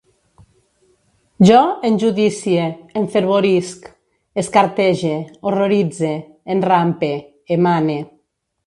Jo enjudicie, enfervorisc, escartege, horroritze, enrampe, emane